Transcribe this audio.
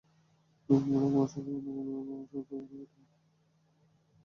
নোংরা মশারি, পুরোনো রংচটা লোহার রডের খাট, ছেঁড়া তোশকে ছারপোকার নিত্য আসা–যাওয়া।